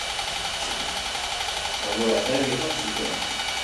Ordura arte, bi errekor horiek Fernando Alonsok zituen.